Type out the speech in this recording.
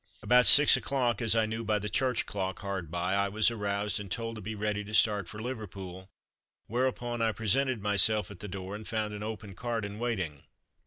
About six o'clock, as I knew by the church clock hard by, I was aroused and told to be ready to start for Liverpool, whereupon I presented myself at the door, and found an open cart in waiting.